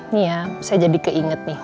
nih ya saya jadi keinget nih